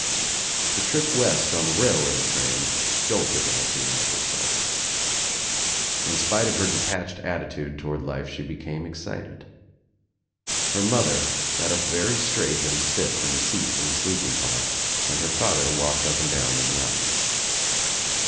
^The trip west on the railroad train jolted Elsie out of herself. In spite of her detached attitude toward life she became excited. Her mother sat up very straight and stiff in the seat in the sleeping car and her father walked up and down in the aisle.